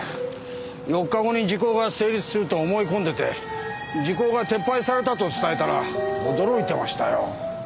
４日後に時効が成立すると思い込んでて時効が撤廃されたと伝えたら驚いてましたよ。